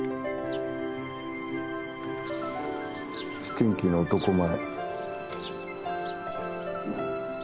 スティンキーの男前。